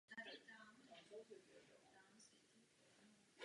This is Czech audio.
Byl totiž jejich strýcem.